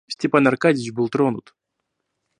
Степан Аркадьич был тронут.